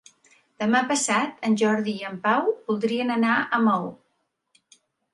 Demà passat en Jordi i en Pau voldrien anar a Maó.